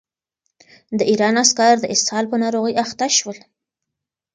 د ایران عسکر د اسهال په ناروغۍ اخته شول.